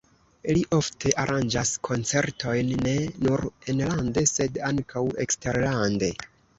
Li ofte aranĝas koncertojn ne nur enlande, sed ankaŭ eksterlande.